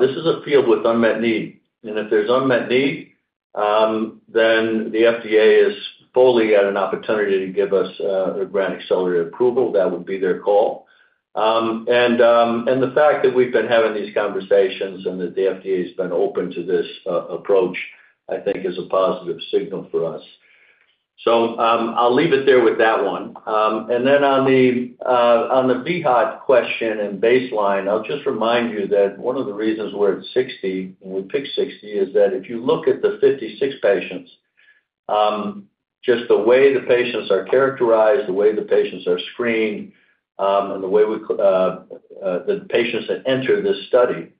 this is a field with unmet need and if there's unmet need, then the FDA is fully at an opportunity to give us a grant accelerated approval, that would be their call. The fact that we've been having these conversations and that the FDA has been open to this approach, I think is a positive signal for us. I'll leave it there with that one. On the vHOT question and baseline, I'll just remind you that one of the reasons we're at 60, we picked 60, is that if you look at the 56 patients, just the way the patients are characterized, the way the patients are screened and the way we, the patients that enter this study,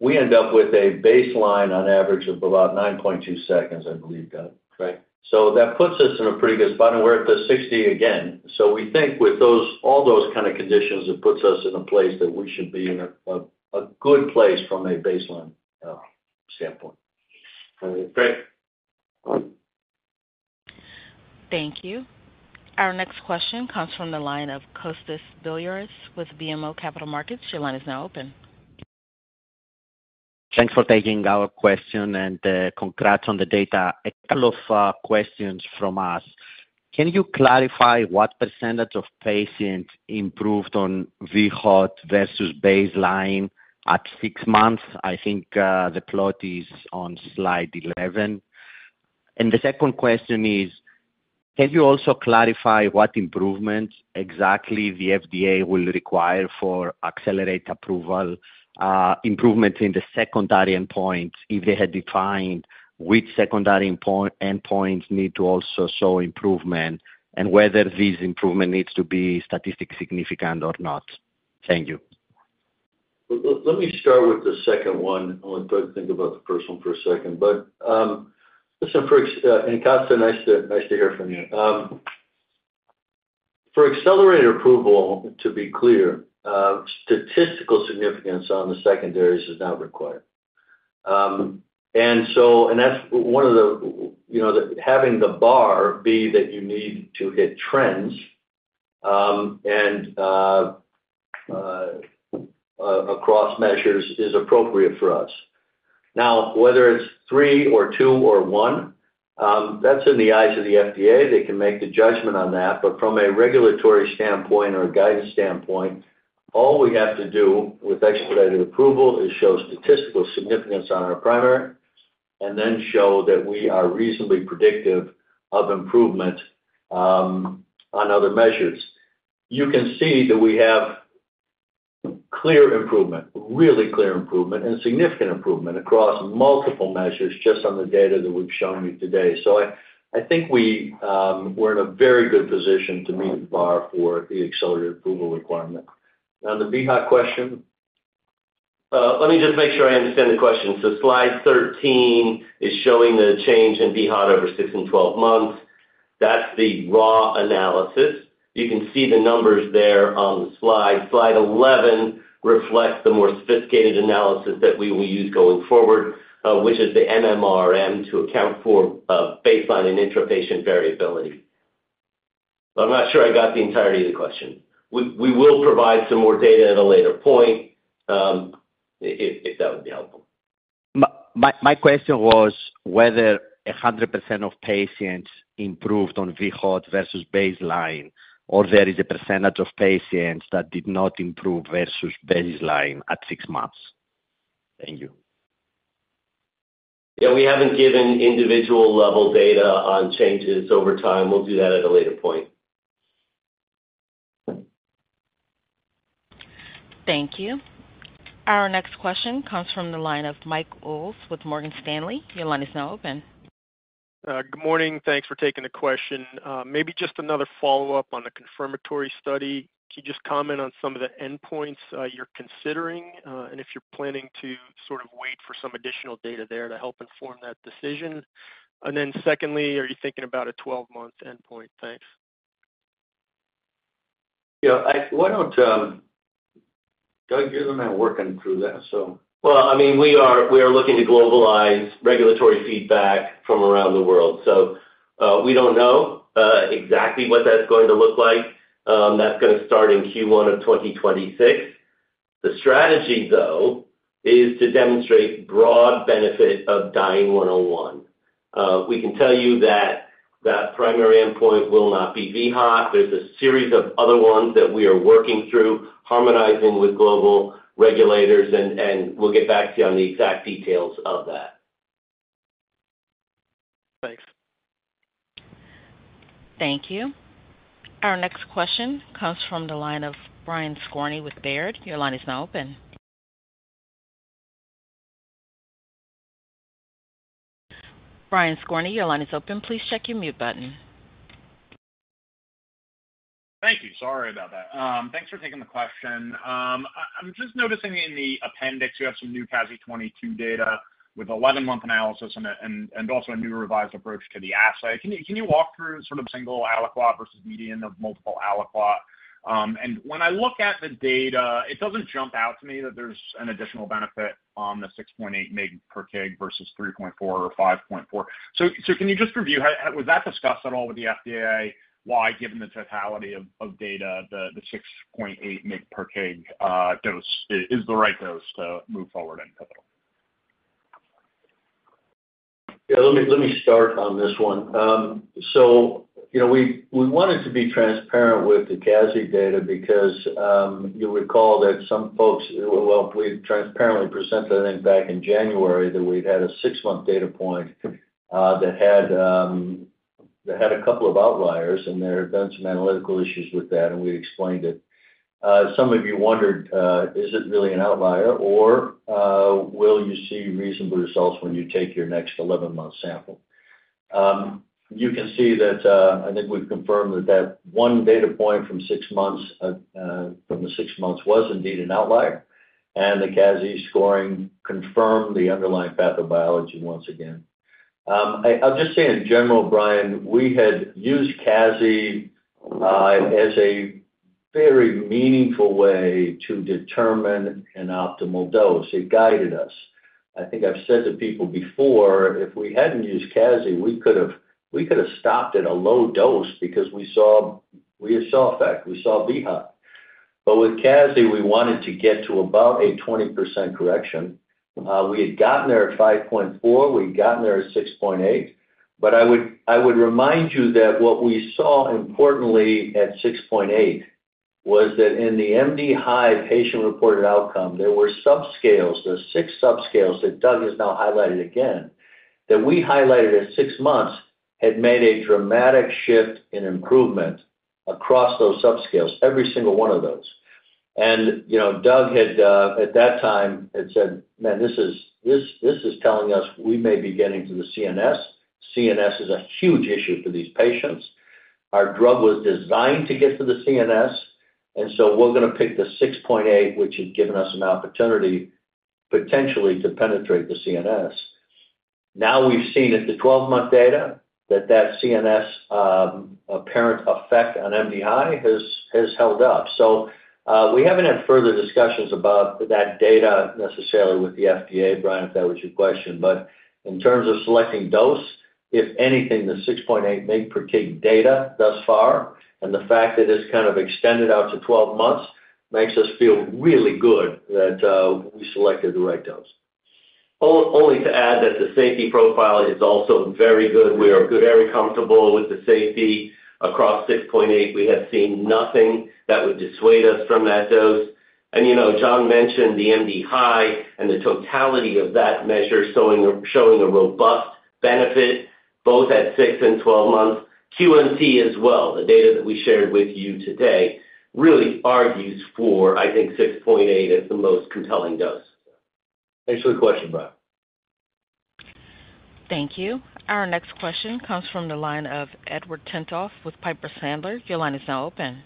we end up with a baseline on average of about 9.2 seconds, I believe. Right. That puts us in a pretty good spot and we're at the 60 again. We think with all those kind of conditions it puts us in a place that we should be in a good place from a baseline standpoint. Great. Thank you. Our next question comes from the line of Kostas Biliouris with BMO Capital Markets. Your line is now open. Thanks for taking our question and congrats on the data. A couple of questions from us. Can you clarify what percentage of patients? Improved on vHOT versus baseline at six months? I think the plot is on slide 11. The second question is, can you. Also clarify what improvements exactly the FDA will require for accelerated approval improvement in the secondary endpoints. If they had defined which secondary endpoints need to also show improvement and whether these improvements need to be statistically significant or not. Thank you. Let me start with the second one. I want to think about the first one for a second. But listen. Nice to hear from you. For accelerated approval to be clear, statistical significance on the secondaries is not required. That is one of the, you know, having the bar be that you need to hit trends and across measures is appropriate for us. Now, whether it is three or two or one, that is in the eyes of the FDA, they can make the judgment on that. From a regulatory standpoint or a guidance standpoint, all we have to do with expedited approval is show statistical significance on our primary and then show that we are reasonably predictive of improvement on other measures. You can see that we have clear improvement, really clear improvement and significant improvement across multiple measures just on the data that we've shown you today. I think we're in a very good position to meet the bar for the accelerated approval requirement. Now the vHOT question. Let me just make sure I understand the question. Slide 13 is showing the change in vHOT over six and twelve months. That is the raw analysis. You can see the numbers there on the slide. Slide 11 reflects the more sophisticated analysis that we will use going forward, which is the MMRM to account for baseline and intra-patient variability. I'm not sure I got the entirety of the question. We will provide some more data at a later point if that would be helpful. My question was whether 100% of patients improved on vHOT versus baseline or there is a percentage of patients that did not improve versus baseline at six months. Thank you. Yeah, we haven't given individual level data on changes over time. We'll do that at a later point. Thank you. Our next question comes from the line of Mike Wolf with Morgan Stanley. Your line is now open. Good morning. Thanks for taking the question. Maybe just another follow up on the confirmatory study. Can you just comment on some of the endpoints you're considering and if you're. Planning to sort of wait for some. Additional data there to help inform that decision. Are you thinking about a 12 month endpoint? Thanks. Yeah, why don't Doug, you're the man working through that. I mean we are looking to globalize regulatory feedback from around the world. We do not know exactly what that is going to look like. That is going to start in Q1 of 2026. The strategy though is to demonstrate broad benefit of DYNE-101. We can tell you that that primary endpoint will not be vHOT. There is a series of other ones that we are working through, harmonizing with global regulators, and we will get back to you on the exact details of that. Thanks. Thank you. Our next question comes from the line of Brian Skorney with Baird. Your line is now open. Brian Skorney, your line is open. Please check your mute button. Thank you. Sorry about that. Thanks for taking the question. I'm just noticing in the appendix, you. Have some new CASI 22 data with 11 month analysis and also a new revised approach to the assay. Can you walk through sort of single aliquot vs median of multiple aliquot? When I look at the data, it doesn't jump out to me that there's an additional benefit on the 6.8 mg/kg versus 3.4 mg or 5.4 mg. Can you just review. Was that discussed at all with the FDA? Why? Given the totality of data, the 6.8 mg/kg dose is the right dose to move forward in pivotal. Yeah, let me start on this one. You know, we wanted to be transparent with the CASI data because you recall that some folks. We transparently presented, I think back in January, that we'd had a six month data point that had a couple of outliers and there have been some analytical issues with that and we explained it. Some of you wondered, is it really an outlier or will you see reasonable results when you take your next 11 month sample? You can see that. I think we've confirmed that that one data point from six months, from the six months, was indeed an outlier. The CASI scoring confirmed the underlying pathobiology. Once again, I'll just say in general, Brian, we had used CASI as a very meaningful way to determine an optimal dose. It guided us. I think I've said to people before, if we hadn't used CASI, we could have stopped at a low dose because we saw effect, we saw vHOT, but with CASI we wanted to get to about a 20% correction. We had gotten there at 5.4 mg, we'd gotten there at 6.8 mg. I would remind you that what we saw importantly at 6.8 mg was that in the MDHI patient reported outcome, there were subscales, the six subscales that Doug has now highlighted again, that we highlighted at six months had made a dramatic shift in improvement across those subscales. Every single one of those. Doug had at that time had said, man, this is telling us we may be getting to the CNS. CNS is a huge issue for these patients. Our drug was designed to get to the CNS and so we're going to pick the 6.8 mg, which has given us an opportunity potentially to penetrate the CNS. Now we've seen at the 12-month data that that CNS apparent effect on MDI has held up. We haven't had further discussions about that data necessarily with the FDA, Brian, if that was your question. In terms of selecting dose, if anything, the 6.8 mg/kg data thus far and the fact that it's kind of extended out to 12 months makes us feel really good that we selected. The right dose, only to add that the safety profile is also very good. We are very comfortable with the safety across 6.8 mg. We have seen nothing that would dissuade us from that dose. You know, John mentioned the MDHI and the totality of that measure showing a robust benefit both at 6 and 12 months, QMT as well. The data that we shared with you today really argues for, I think, 6.8 mg as the most compelling dose. Thanks for the question, Brian. Thank you. Our next question comes from the line of Edward Tenthoff with Piper Sandler. Your line is now open.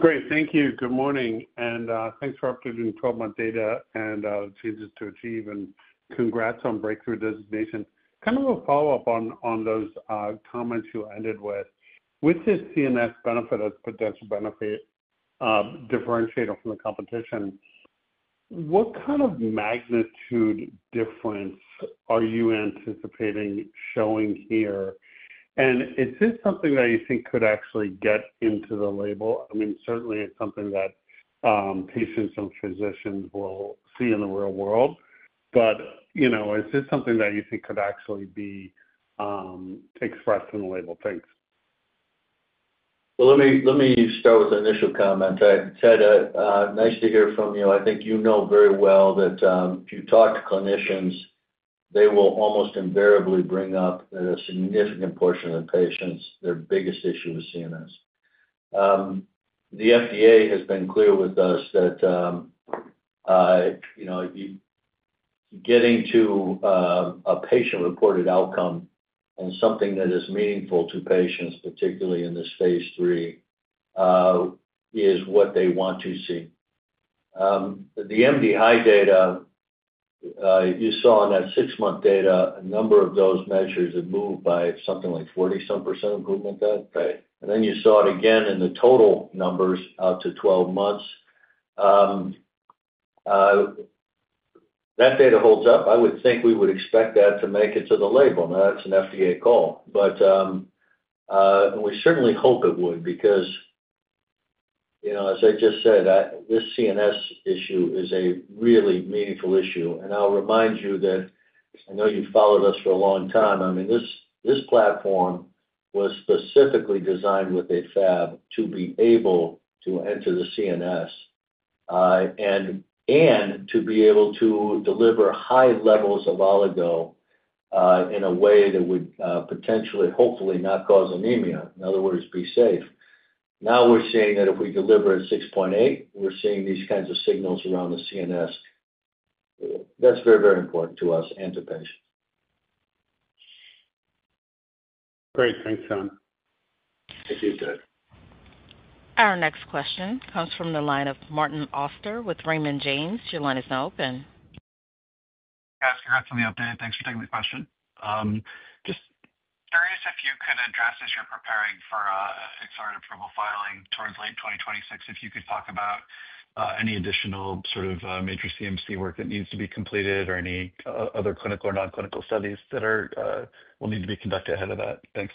Great, thank you. Good morning and thanks for updating 12 month data and changes to ACHIEVE and congrats on Breakthrough Therapy designation. Kind of a follow up on those comments. You ended with this CNS benefit as potential benefit differentiator from the competition. What kind of magnitude difference are you anticipating showing here? And is this something that you think could actually get into the list? I mean certainly it's something that patients and physicians will see in the real world. But you know, is this something that you think could actually be expressed in the label? Thanks. Let me start with the initial comment, Ed, nice to hear from you. I think you know very well that if you talk to clinicians they will almost invariably bring up a significant portion of the patients. Their biggest issue with CNS. The FDA has been clear with us that getting to a patient reported outcome and something that is meaningful to patients, particularly in this phase III is what they want to see. The MDHI data you saw in that six month data, a number of those measures have moved by something like 40% improvement. And then you saw it again in the total numbers out to 12 months. That data holds up. I would think we would expect that to make it to the label. Now that's an FDA call, but we certainly hope it would because you know, as I just said, this CNS issue is a really meaningful issue. I'll remind you that I know you followed us for a long time. I mean this, this platform was specifically designed with a Fab to be able to enter the CNS and to be. Able to deliver high levels of oligo. In a way that would potentially hopefully not cause anemia. In other words, be safe. Now we're seeing that if we deliver at 6.8 mg, we're seeing these kinds of signals around the CNS. That's very, very important to us and to patients. Great. Thanks, John. Thank you. Good. Our next question comes from the line of Martin Auster with Raymond James. Your line is now open. Congrats on the update. Thanks for taking the question. Just curious if you could address as. You're preparing for accelerated approval filing towards late 2026, if you could talk about any additional sort of major CMC work that needs to be completed or any other clinical or nonclinical studies that will need to be conducted ahead of that. Thanks.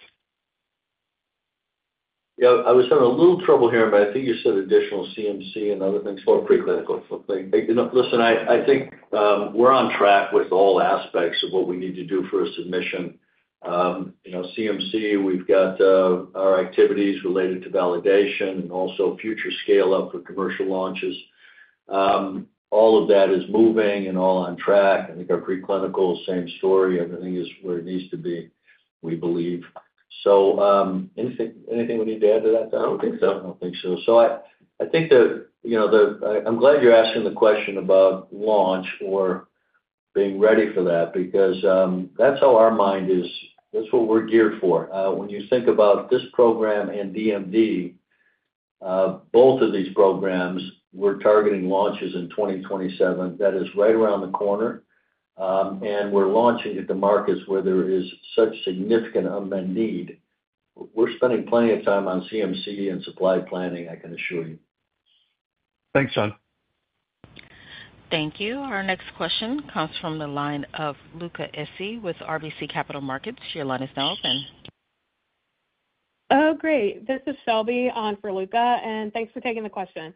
Yeah, I was having a little trouble hearing but I think you said additional CMC and other things for preclinical. Listen, I think we're on track with all aspects of what we need to do for a submission. You know, CMC, we've got our activities related to validation and also future scale up for commercial launches. All of that is moving and all on track. I think our preclinical, same story, everything is where it needs to be. We believe so. Anything we need to add to that? I don't think so. I don't think so. I think that, you know, I'm glad you're asking the question about launch or being ready for that because that's how our mind is. That's what we're geared for. When you think about this program and DMD, both of these programs we're targeting launches in 2027. That is right around the corner and we're launching into markets where there is such significant unmet need. We're spending plenty of time on CMC and supply planning, I can assure you. Thanks John. Thank you. Our next question comes from the line of Luca Issi with RBC Capital Markets. Your line is now open. Oh great. This is Shelby on for Luca and thanks for taking the question.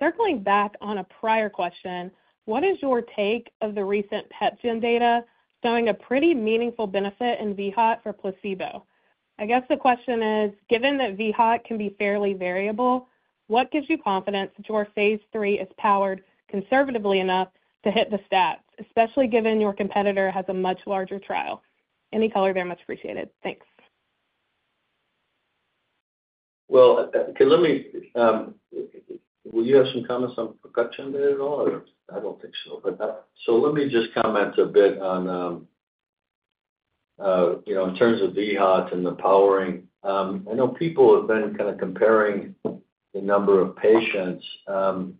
Circling back on a prior question, what is your take of the recent PepGen data showing a pretty meaningful benefit in vHOT for placebo. I guess the question is, given that vHOT can be fairly variable, what gives you confidence that your phase three is powered conservatively enough to hit the stats, especially given your competitor has a much larger trial. Any color there. Much appreciated. Thanks. Let me just comment a bit on, you know, in terms of vHOT and the powering. I know people have been kind of comparing the number of patients. I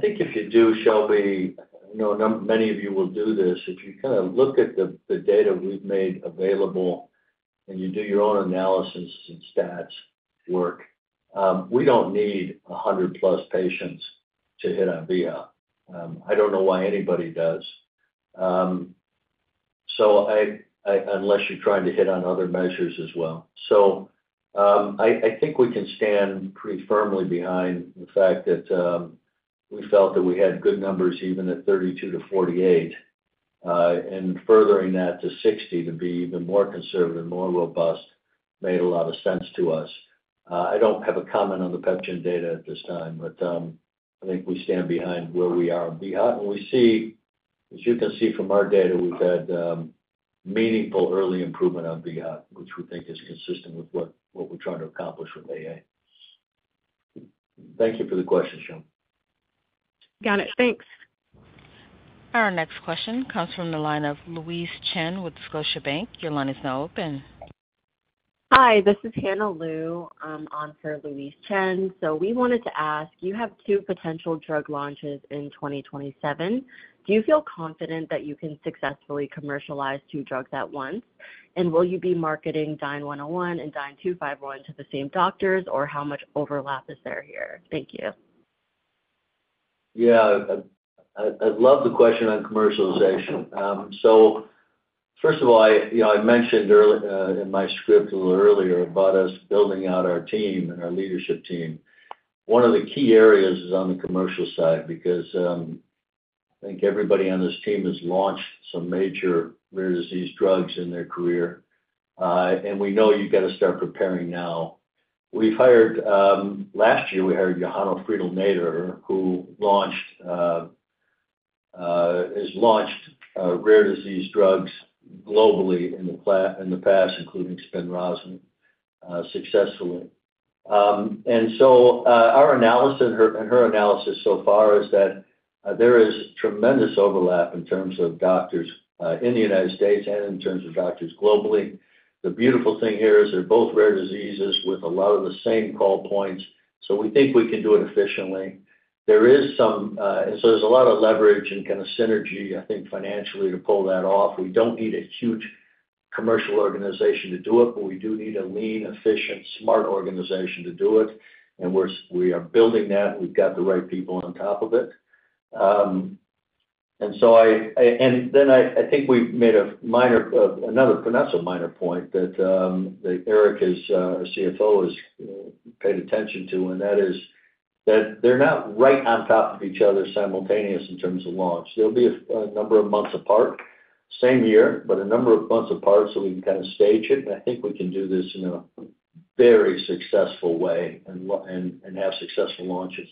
think if you do, Shelby, many of you will do this if you kind of look at the data we've made available and you do your own analysis and stats work. We don't need 100+ patients to hit on vHOT. I don't know why anybody does, unless you're trying to hit on other measures as well. I think we can stand pretty firmly behind the fact that we felt that we had good numbers even at 32-48, and furthering that to 60 to be even more conservative, more robust made a lot of sense to us. I don't have a comment on the PepGen data at this time, but I think we stand behind where we are on vHOT. And we see, as you can see from our data, we've had meaningful early improvement on vHOT, which we think is consistent with what we're trying to accomplish with AA. Thank you for the questions. Got it. Thanks. Our next question comes from the line of Louise Chen with Scotiabank. Your line is now open. Hi, this is Hannah Liu. I'm on for Louise Chen. So we wanted to ask you have two potential drug launches in 2027. Do you feel confident that you can successfully commercialize two drugs at once? And will you be marketing DYNE-101 and DYNE-251 to the same doctors, or how much overlap is there here? Thank you. Yeah, I love the question on commercialization. First of all, I mentioned in my script a little earlier about us building out our team and our leadership team. One of the key areas is on the commercial side because I think everybody on this team has launched some major rare disease drugs in their career. We know you've got to start preparing now. Last year we hired Johanna Friedl Naderer, who has launched rare disease drugs globally in the past, including SPINRAZA successfully. Our analysis and her analysis so far is that there is tremendous overlap in terms of doctors in the United States and in terms of doctors globally. The beautiful thing here is they're both rare diseases, with a lot of the same call points. We think we can do it efficiently. There is some. There's a lot of leverage and kind of synergy, I think, financially to pull that off. We don't need a huge commercial organization to do it, but we do need a lean, efficient, smart organization to do it. We are building that. We've got the right people on top of it. I think we made a minor, another, a minor point that Eric is our CFO, has paid attention to, and that is that they're not right on top of each other. Simultaneous in terms of launch, there will be a number of months apart, same year, but a number of months apart. We can kind of stage it. I think we can do this in a very successful way and have successful launches.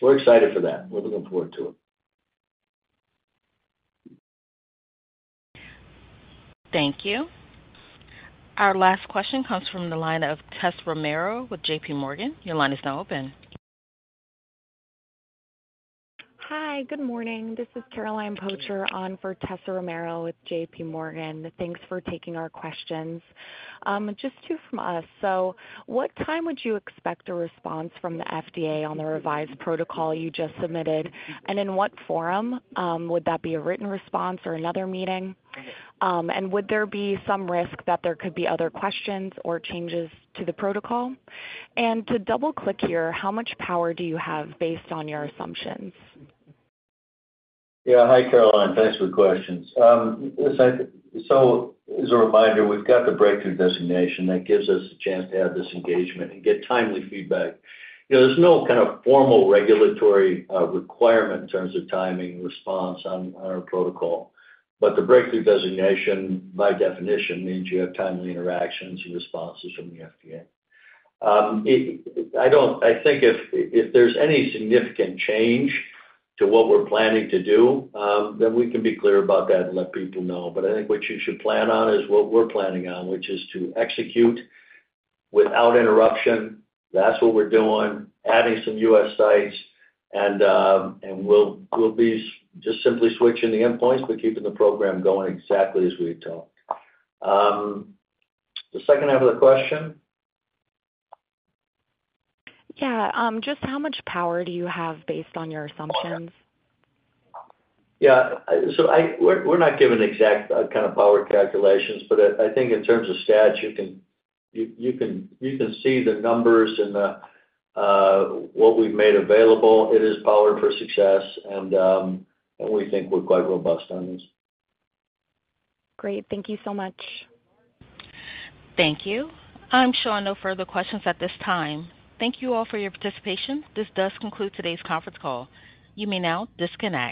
We're excited for that. We're looking forward to it. Thank you. Our last question comes from the line of Tess Romero with JPMorgan. Your line is now open. Hi, good morning. This is Caroline Pocher on for Tessa Romero with JPMorgan. Thanks for taking our questions. Just two from us. What time would you expect a response from the FDA on the revised protocol you just submitted, and in what forum? Would that be a written response or another meeting? Would there be some risk that there could be other questions or changes to the protocol? To double click here, how much power do you have based on your assumptions? Yeah. Hi, Caroline, thanks for the questions. As a reminder, we've got the breakthrough designation that gives us a chance to have this engagement and get timely feedback. There's no kind of formal regulatory requirement in terms of timing response on our protocol, but the Breakthrough Designation by definition means you have timely interactions and responses from the FDA. I think if there's any significant change to what we're planning to do, then we can be clear about that and let people know. I think what you should plan on is what we're planning on, which is to execute without interruption. That's what we're doing, adding some U.S. sites and we'll be just simply switching the endpoints, but keeping the program going exactly as we had talked. The second. Half of the question. Yeah. Just how much power do you have based on your assumptions? Yeah. So we're not given exact kind of power calculations, but I think in terms of stats, you can see the numbers and what we've made available, it is powered for success, and we think we're quite robust on this. Great. Thank you so much. Thank you. I'm showing no further questions at this time. Thank you all for your participation. This does conclude today's conference call. You may now disconnect.